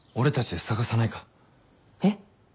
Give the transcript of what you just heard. えっ？